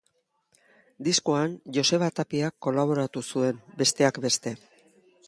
Diskoan Joseba Tapiak kolaboratu zuen, besteak beste.